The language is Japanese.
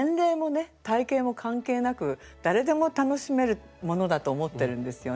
体型も関係なく誰でも楽しめるものだと思ってるんですよね。